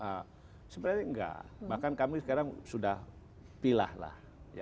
sebenarnya enggak bahkan kami sekarang sudah pilah lah